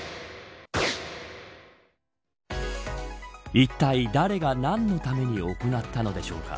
いったい、誰が何のために行ったのでしょうか。